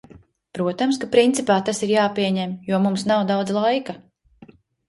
Protams, ka principā tas ir jāpieņem, jo mums nav daudz laika.